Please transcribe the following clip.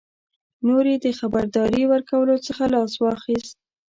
نور یې د خبرداري ورکولو څخه لاس واخیست.